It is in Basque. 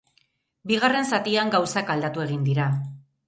Bigarren zatian gauzak aldatu egin dira.